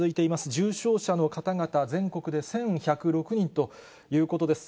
重症者の方々、全国で１１０６人ということです。